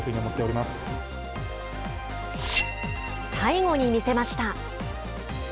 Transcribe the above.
最後に見せました。